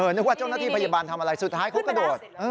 นึกว่าเจ้าหน้าที่พยาบาลทำอะไรสุดท้ายเขากระโดด